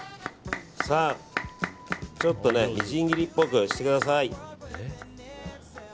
ちょっとみじん切りっぽくしてください。